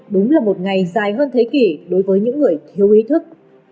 đúng là một ngày dài hơn thế kỷ đối với những người thiếu ý thức